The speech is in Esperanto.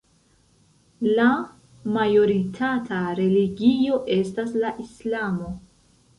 La majoritata religio estas la islamo.